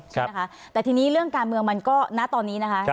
ใช่ไหมคะแต่ทีนี้เรื่องการเมืองมันก็ณตอนนี้นะคะ